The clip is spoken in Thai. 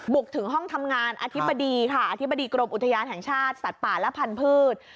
บุกถึงห้องทำงานอธิบดีค่ะอธิบดีกรมอุทยานแห่งชาติสัตว์ป่าและพันธุ์